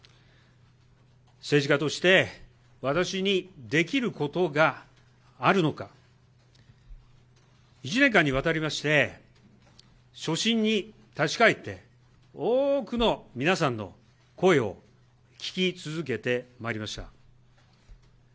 政治家として、私にできることがあるのか、１年間にわたりまして初心に立ち返って、多くの皆さんの声を聞き続けてまいりました。